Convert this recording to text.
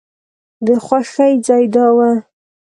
د خوښۍ ځای دا و.